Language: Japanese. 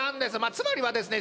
つまりはですね